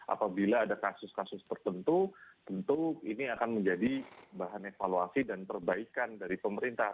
apabila ada kasus kasus tertentu tentu ini akan menjadi bahan evaluasi dan perbaikan dari pemerintah